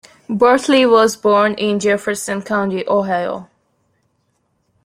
Bartley was born in Jefferson County, Ohio.